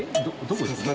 どこですか？